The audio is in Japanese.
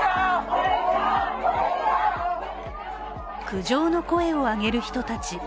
苦情の声を上げる人たち。